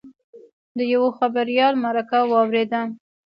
د یوه خبریال مرکه واورېده.